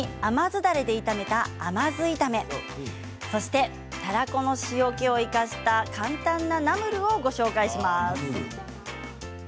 だれで炒めた甘酢炒めそしてたらこの塩けを生かした簡単なナムルをご紹介します。